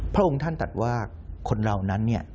พระองค์ท่านตัดว่าคนเรานั้นเนี่ย